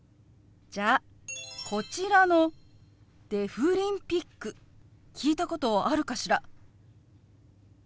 じゃあこちらの「デフリンピック」聞いたことあるかしら？